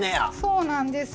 そうなんです。